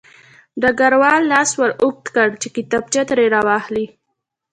ډګروال لاس ور اوږد کړ چې کتابچه ترې راواخلي